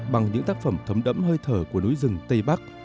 bằng những tác phẩm thấm đẫm hơi thở của núi rừng tây bắc